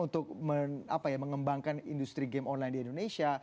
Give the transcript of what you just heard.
untuk mengembangkan industri game online di indonesia